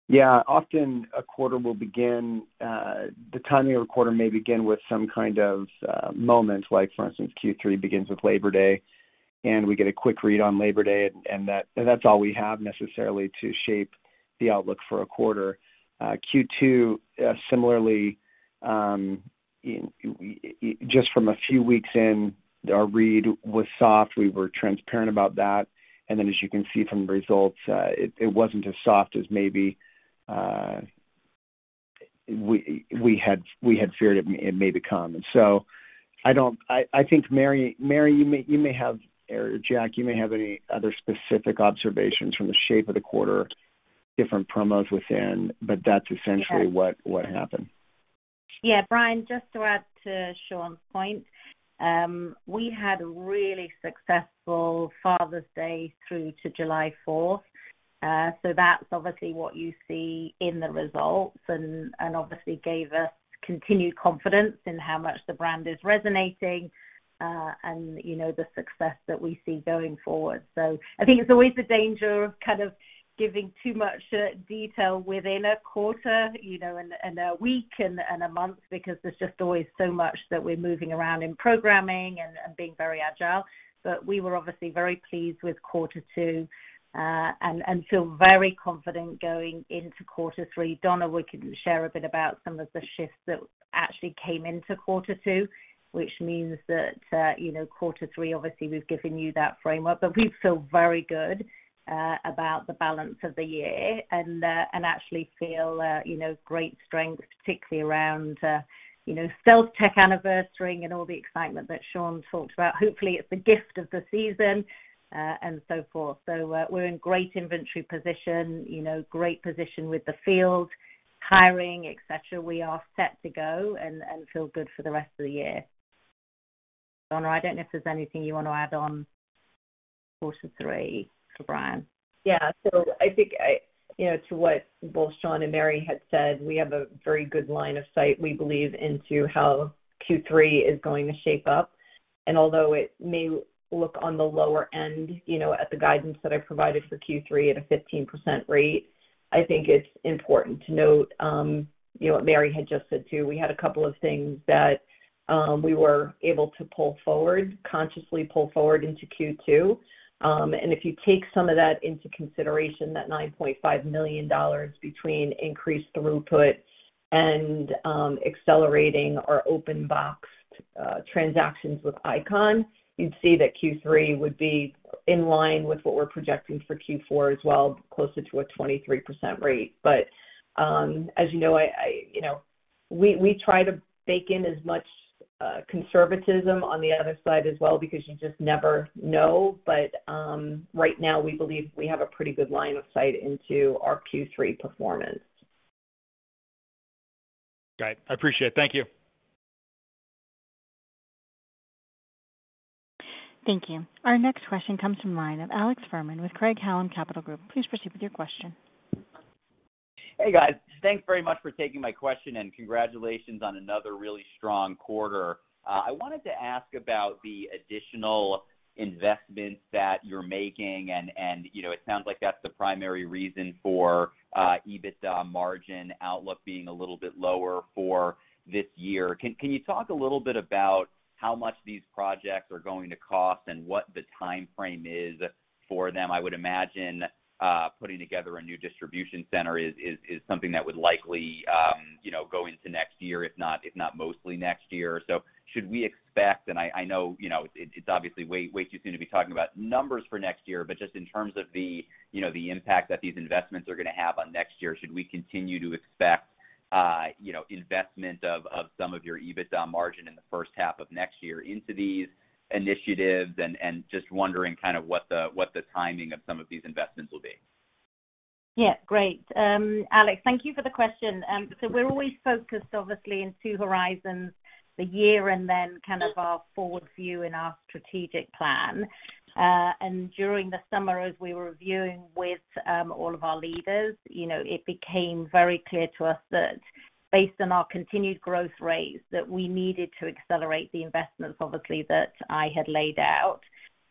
Yeah. Often a quarter will begin, the timing of a quarter may begin with some kind of moment like, for instance, Q3 begins with Labor Day, and we get a quick read on Labor Day, and that's all we have necessarily to shape the outlook for a quarter. Q2, similarly, just from a few weeks in, our read was soft. We were transparent about that. Then as you can see from the results, it wasn't as soft as maybe we had feared it may become. I think, Mary, you may have or Jack, you may have any other specific observations from the shape of the quarter, different promos within, but that's essentially. Sure. What happened? Yeah, Brian, just to add to Shawn's point, we had a really successful Father's Day through to July fourth. That's obviously what you see in the results and obviously gave us continued confidence in how much the brand is resonating and you know, the success that we see going forward. I think it's always a danger of kind of giving too much detail within a quarter, you know, and a week and a month because there's just always so much that we're moving around in programming and being very agile. We were obviously very pleased with quarter two and feel very confident going into quarter three. Donna, we can share a bit about some of the shifts that actually came into quarter two, which means that, you know, quarter three, obviously we've given you that framework. We feel very good about the balance of the year and actually feel, you know, great strength, particularly around, you know, StealthTech anniversary and all the excitement that Shawn talked about. Hopefully, it's the gift of the season, and so forth. We're in great inventory position, you know, great position with the field, hiring, etc. We are set to go and feel good for the rest of the year. Donna, I don't know if there's anything you want to add on quarter three for Brian. Yeah. I think, you know, to what both Shawn and Mary had said, we have a very good line of sight, we believe, into how Q3 is going to shape up. Although it may look on the lower end, you know, at the guidance that I provided for Q3 at a 15% rate, I think it's important to note, you know, what Mary had just said, too. We had a couple of things that we were able to pull forward into Q2. If you take some of that into consideration, that $9.5 million between increased throughput and accelerating our open box transactions with Icon, you'd see that Q3 would be in line with what we're projecting for Q4 as well, closer to a 23% rate. As you know, I you know, we try to bake in as much conservatism on the other side as well because you just never know. Right now, we believe we have a pretty good line of sight into our Q3 performance. Great. I appreciate it. Thank you. Thank you. Our next question comes from the line of Alex Fuhrman with Craig-Hallum Capital Group. Please proceed with your question. Hey, guys. Thanks very much for taking my question, and congratulations on another really strong quarter. I wanted to ask about the additional investments that you're making and, you know, it sounds like that's the primary reason for EBITDA margin outlook being a little bit lower for this year. Can you talk a little bit about how much these projects are going to cost and what the timeframe is for them? I would imagine, putting together a new distribution center is something that would likely, you know, go into next year, if not mostly next year. Should we expect, and I know, you know, it's obviously way too soon to be talking about numbers for next year, but just in terms of, you know, the impact that these investments are gonna have on next year, should we continue to expect, you know, investment of some of your EBITDA margin in the first half of next year into these initiatives? Just wondering kind of what the timing of some of these investments will be. Yeah, great. Alex, thank you for the question. We're always focused obviously in two horizons, the year and then kind of our forward view in our strategic plan. During the summer, as we were reviewing with all of our leaders, you know, it became very clear to us that based on our continued growth rates, that we needed to accelerate the investments, obviously, that I had laid out,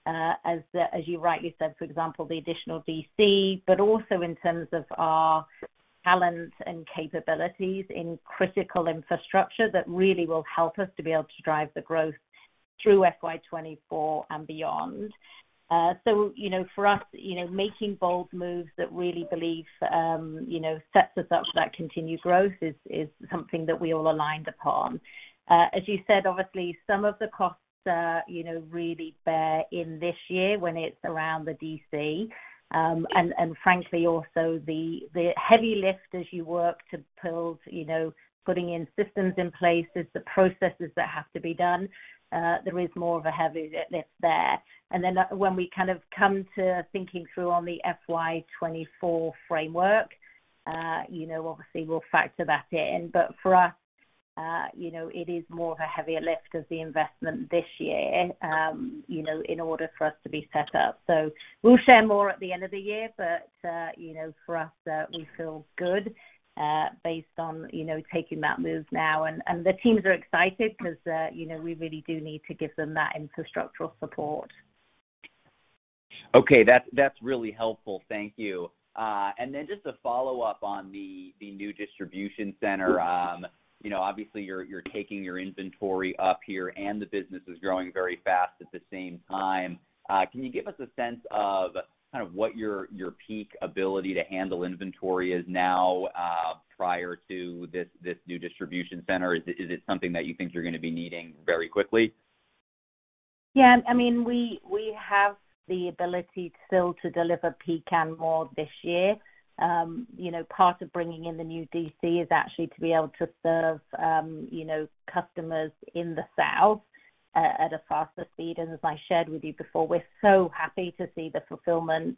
as you rightly said, for example, the additional DC, but also in terms of our talent and capabilities in critical infrastructure that really will help us to be able to drive the growth through FY 2024 and beyond. You know, for us, you know, making bold moves that we really believe, you know, sets us up for that continued growth is something that we all aligned upon. As you said, obviously some of the costs are, you know, really borne in this year when it's around the DC. Frankly also the heavy lift as you work to build, you know, putting in systems in place, there's the processes that have to be done. There is more of a heavy lift there. Then when we kind of come to thinking through on the FY 2024 framework, you know, obviously we'll factor that in. For us, you know, it is more of a heavier lift of the investment this year, you know, in order for us to be set up. We'll share more at the end of the year. For us, you know, we feel good, based on, you know, taking that move now. The teams are excited 'cause, you know, we really do need to give them that infrastructural support. Okay. That's really helpful. Thank you. Just a follow-up on the new distribution center. You know, obviously you're taking your inventory up here and the business is growing very fast at the same time. Can you give us a sense of kind of what your peak ability to handle inventory is now, prior to this new distribution center? Is it something that you think you're gonna be needing very quickly? Yeah. I mean, we have the ability still to deliver peak and more this year. You know, part of bringing in the new DC is actually to be able to serve, you know, customers in the south at a faster speed. As I shared with you before, we're so happy to see the fulfillment,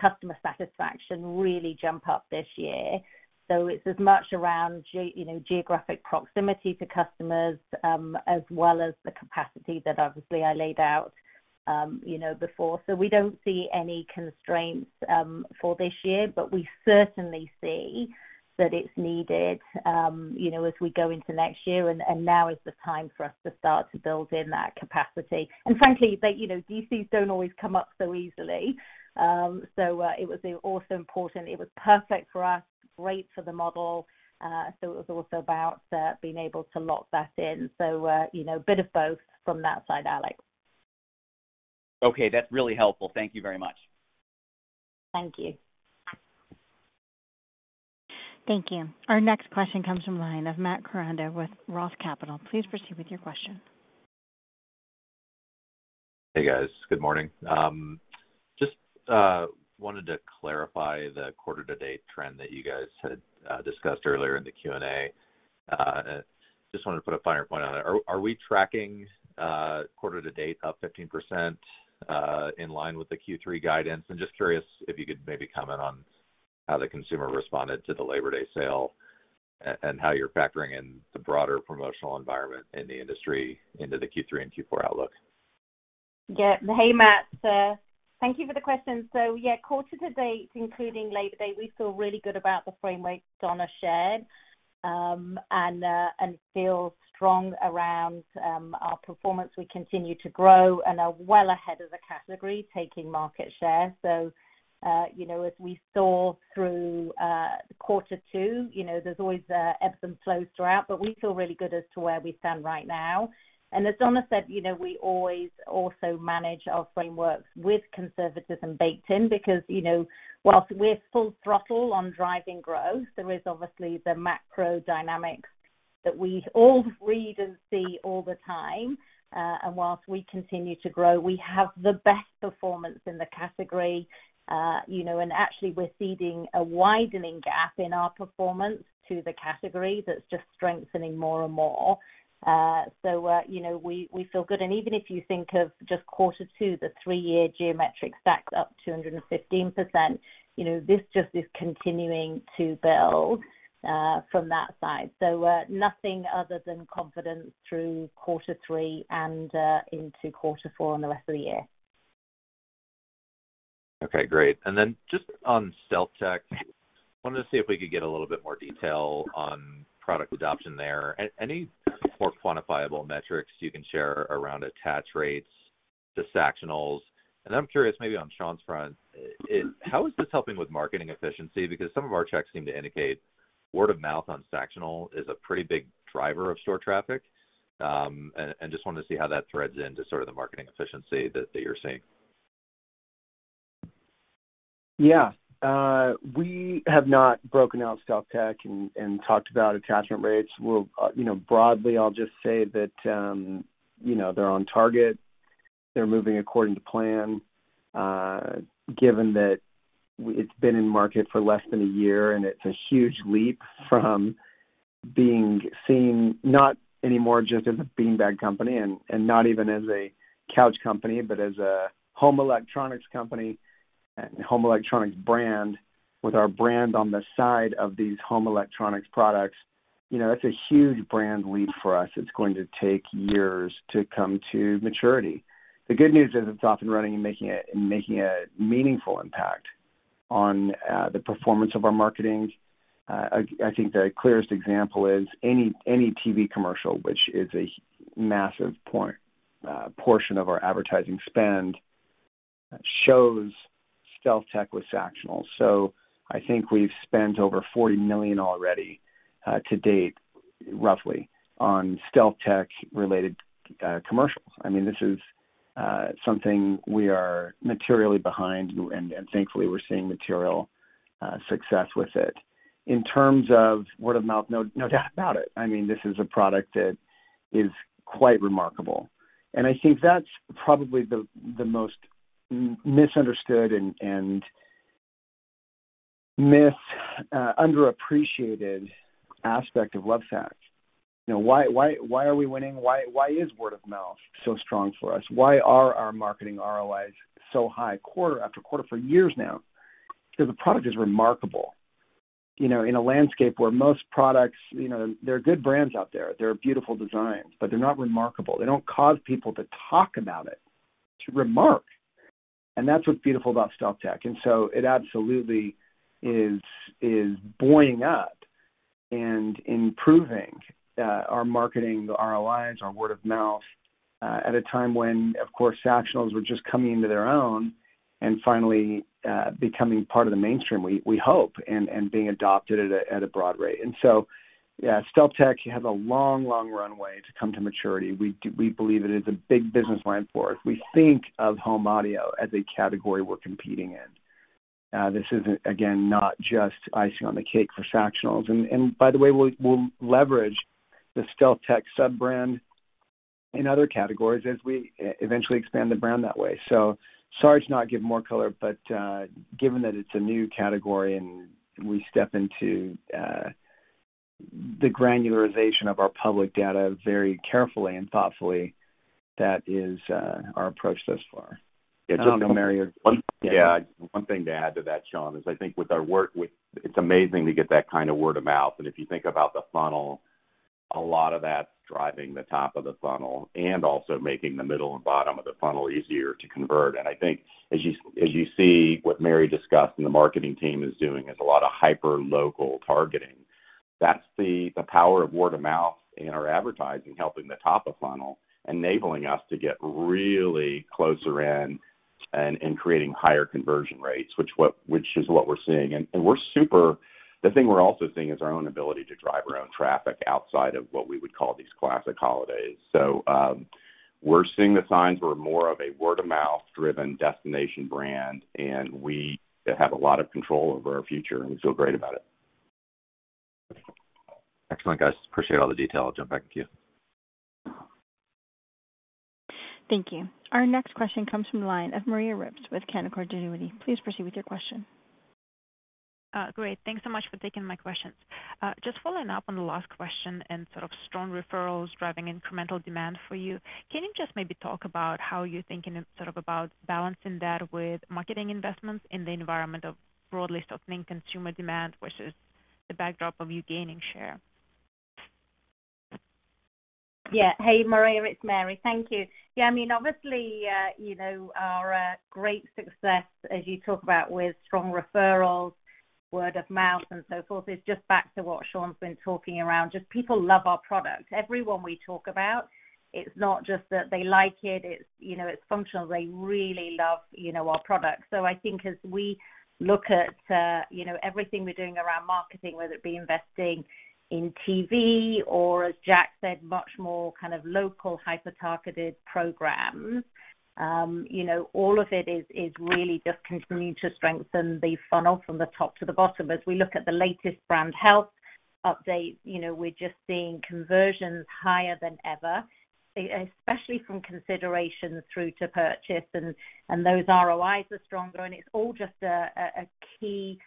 customer satisfaction really jump up this year. It's as much around geographic proximity to customers, as well as the capacity that obviously I laid out, before. We don't see any constraints, for this year, but we certainly see that it's needed, you know, as we go into next year and now is the time for us to start to build in that capacity. Frankly, DCs don't always come up so easily. It was also important. It was perfect for us, great for the model. It was also about being able to lock that in. You know, a bit of both from that side, Alex. Okay. That's really helpful. Thank you very much. Thank you. Thank you. Our next question comes from the line of Matt Koranda with ROTH Capital Partners. Please proceed with your question. Hey, guys. Good morning. Just wanted to clarify the quarter to date trend that you guys had discussed earlier in the Q&A. Just wanted to put a finer point on it. Are we tracking quarter to date up 15%, in line with the Q3 guidance? Just curious if you could maybe comment on how the consumer responded to the Labor Day sale and how you're factoring in the broader promotional environment in the industry into the Q3 and Q4 outlook. Yeah. Hey, Matt. Thank you for the question. Yeah, quarter to date, including Labor Day, we feel really good about the frameworks Donna shared, and feel strong around our performance. We continue to grow and are well ahead of the category, taking market share. You know, as we saw through quarter two, you know, there's always ebbs and flows throughout, but we feel really good as to where we stand right now. As Donna said, you know, we always also manage our frameworks with conservatism baked in because, you know, while we're full throttle on driving growth, there is obviously the macro dynamics that we all read and see all the time. While we continue to grow, we have the best performance in the category. You know, actually we're seeing a widening gap in our performance to the category that's just strengthening more and more. You know, we feel good. Even if you think of just quarter two, the three-year geometric stacks up 215%, you know, this just is continuing to build from that side. Nothing other than confidence through quarter three and into quarter four and the rest of the year. Okay, great. Just on StealthTech, wanted to see if we could get a little bit more detail on product adoption there. Any more quantifiable metrics you can share around attach rates to Sactionals? I'm curious maybe on Shawn's front, how is this helping with marketing efficiency? Because some of our checks seem to indicate word of mouth on Sactionals is a pretty big driver of store traffic. Just wanted to see how that threads into sort of the marketing efficiency that you're seeing. Yeah. We have not broken out StealthTech and talked about attachment rates. We'll, you know, broadly, I'll just say that, you know, they're on target. They're moving according to plan. Given that it's been in market for less than a year and it's a huge leap from being seen not anymore just as a beanbag company and not even as a couch company, but as a home electronics company and home electronics brand with our brand on the side of these home electronics products. You know, that's a huge brand leap for us. It's going to take years to come to maturity. The good news is it's off and running and making a meaningful impact on the performance of our marketing. I think the clearest example is any TV commercial, which is a massive portion of our advertising spend that shows StealthTech with Sactionals. I think we've spent over $40 million already, to date, roughly, on StealthTech-related commercials. I mean, this is something we are materially behind, and thankfully, we're seeing material success with it. In terms of word of mouth, no doubt about it. I mean, this is a product that is quite remarkable. I think that's probably the most misunderstood and underappreciated aspect of Lovesac. You know why are we winning? Why is word of mouth so strong for us? Why are our marketing ROIs so high quarter after quarter for years now? Because the product is remarkable. You know, in a landscape where most products, you know, there are good brands out there are beautiful designs, but they're not remarkable. They don't cause people to talk about it, to remark. That's what's beautiful about StealthTech. It absolutely is buoying up and improving our marketing, the ROIs, our word of mouth, at a time when, of course, Sactionals were just coming into their own and finally becoming part of the mainstream, we hope, and being adopted at a broad rate. Yeah, StealthTech, you have a long runway to come to maturity. We do, we believe it is a big business line for us. We think of home audio as a category we're competing in. This is again not just icing on the cake for Sactionals. By the way, we'll leverage the StealthTech sub-brand in other categories as we eventually expand the brand that way. Sorry to not give more color, but given that it's a new category and we step into the granularization of our public data very carefully and thoughtfully, that is our approach thus far. Yeah, just one. I don't know, Mary. One thing to add to that, Shawn, is I think with our work it's amazing to get that kind of word of mouth. If you think about the funnel, a lot of that's driving the top of the funnel and also making the middle and bottom of the funnel easier to convert. I think as you see what Mary discussed and the marketing team is doing, is a lot of hyperlocal targeting. That's the power of word of mouth in our advertising, helping the top of funnel, enabling us to get really closer in and creating higher conversion rates, which is what we're seeing. The thing we're also seeing is our own ability to drive our own traffic outside of what we would call these classic holidays. We're seeing the signs. We're more of a word-of-mouth driven destination brand, and we have a lot of control over our future, and we feel great about it. Excellent, guys. Appreciate all the detail. I'll jump back to you. Thank you. Our next question comes from the line of Maria Ripps with Canaccord Genuity. Please proceed with your question. Great. Thanks so much for taking my questions. Just following up on the last question and sort of strong referrals driving incremental demand for you. Can you just maybe talk about how you're thinking sort of about balancing that with marketing investments in the environment of broadly lackluster consumer demand, which is the backdrop of you gaining share? Yeah. Hey, Maria, it's Mary. Thank you. Yeah, I mean, obviously, you know, our great success as you talk about with strong referrals, word of mouth, and so forth, is just bak to what Shawn's been talking around. Just people love our product. Everyone we talk about, it's not just that they like it's, you know, it's functional. They really love, you know, our product. I think as we look at, you know, everything we're doing around marketing, whether it be investing in TV or, as Jack said, much more kind of local hyper-targeted programs, you know, all of it is really just continuing to strengthen the funnel from the top to the bottom. As we look at the latest brand health update, you know, we're just seeing conversions higher than ever, especially from consideration through to purchase. Those ROIs are stronger, and it's all just a key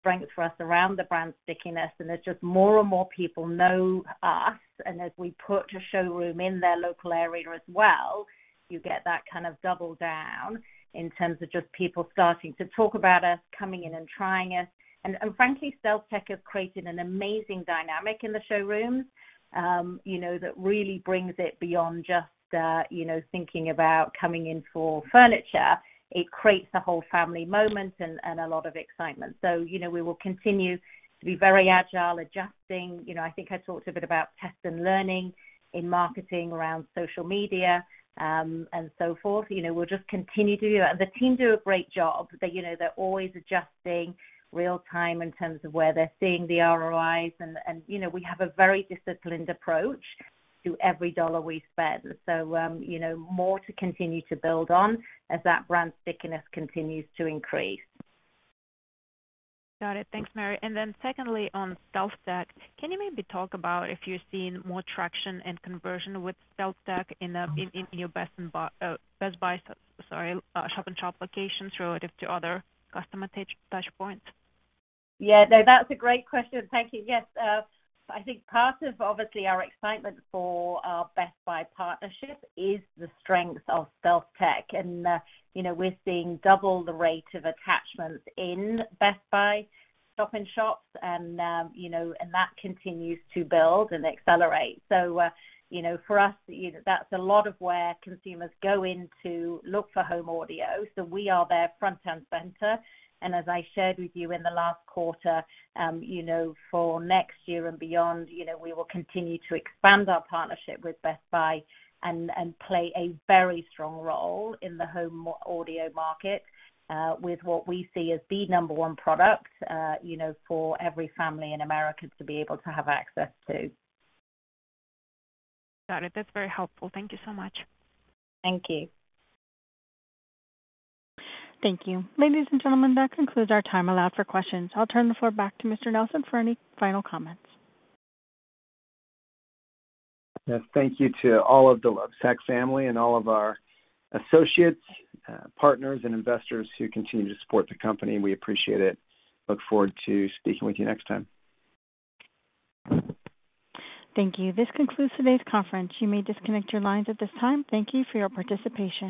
strength for us around the brand stickiness. There's just more and more people know us. As we put a showroom in their local area as well, you get that kind of double down in terms of just people starting to talk about us, coming in and trying us. Frankly, StealthTech has created an amazing dynamic in the showrooms, you know, that really brings it beyond just you know, thinking about coming in for furniture. It creates a whole family moment and a lot of excitement. You know, we will continue to be very agile, adjusting. You know, I think I talked a bit about test and learning in marketing around social media, and so forth. You know, we'll just continue to do that. The team do a great job. They, you know, they're always adjusting real time in terms of where they're seeing the ROIs and you know, we have a very disciplined approach to every dollar we spend. You know, more to continue to build on as that brand stickiness continues to increase. Got it. Thanks, Mary. Secondly, on StealthTech, can you maybe talk about if you're seeing more traction and conversion with StealthTech in your Best Buy shop-in-shop locations relative to other customer touch points? Yeah. No, that's a great question. Thank you. Yes, I think part of, obviously, our excitement for our Best Buy partnership is the strength of StealthTech. You know, we're seeing double the rate of attachments in Best Buy shop-in-shops and you know, that continues to build and accelerate. You know, for us, you know, that's a lot of where consumers go in to look for home audio. We are there front and center. As I shared with you in the last quarter, you know, for next year and beyond, you know, we will continue to expand our partnership with Best Buy and play a very strong role in the home audio market, with what we see as the number one product, you know, for every family in America to be able to have access to. Got it. That's very helpful. Thank you so much. Thank you. Thank you. Ladies and gentlemen, that concludes our time allowed for questions. I'll turn the floor back to Mr. Nelson for any final comments. Yes, thank you to all of the Lovesac family and all of our associates, partners, and investors who continue to support the company. We appreciate it. Look forward to speaking with you next time. Thank you. This concludes today's conference. You may disconnect your lines at this time. Thank you for your participation.